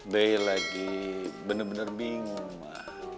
be lagi bener bener bingung ma